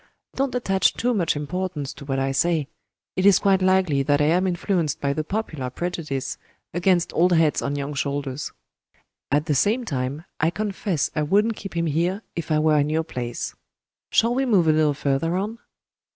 Don't attach too much importance to what I say! It is quite likely that I am influenced by the popular prejudice against 'old heads on young shoulders.' At the same time, I confess I wouldn't keep him here, if I were in your place. Shall we move a little further on?"